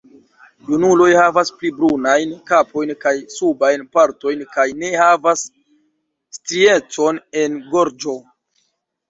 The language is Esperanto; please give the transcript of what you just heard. Junuloj havas pli brunajn kapojn kaj subajn partojn kaj ne havas striecon en gorĝo.